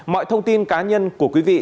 mọi thông tin cá nhân của quý vị